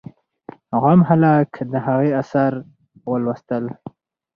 عام خلک د هغې آثار ولوستل.